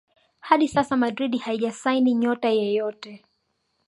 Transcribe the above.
hadi sasa Madrid haijasaini nyota yeyote